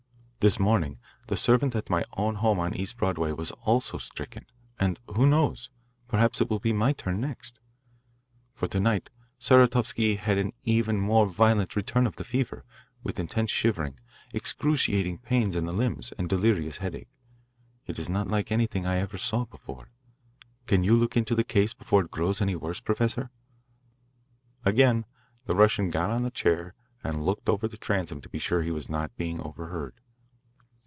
This morning the servant at my own home on East Broadway was also stricken, and who knows? perhaps it will be my turn next. For to night Saratovsky had an even more violent return of the fever, with intense shivering, excruciating pains in the limbs, and delirious headache. It is not like anything I ever saw before. Can you look into the case before it grows any worse, Professor?" Again the Russian got on the chair and looked over the transom to be sure that he was not being overheard.